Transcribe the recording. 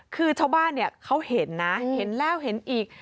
คือเจ้าบ้านเขาเห็นนะเห็นแล้วเห็นอีก